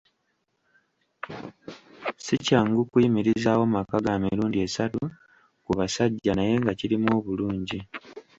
Sikyangu kuyimirizaawo maka ga mirundi esatu ku basajja naye nga kirimu obulungi.